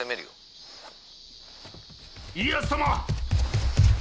家康様！